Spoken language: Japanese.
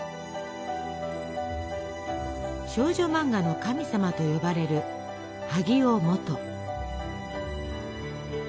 「少女漫画の神様」と呼ばれる萩尾望都。